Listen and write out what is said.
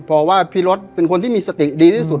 เพราะว่าพี่รถเป็นคนที่มีสติดีที่สุด